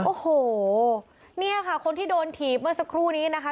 โอ้โหเนี่ยค่ะคนที่โดนถีบเมื่อสักครู่นี้นะคะ